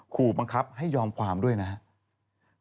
ขู่บังคับให้ยอมความด้วยนะครับ